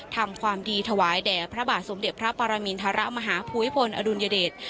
ทำความดีถวายแด่พระบาทสมเด็จพระปรมินทรมาฮภูมิพลอดุลยเดช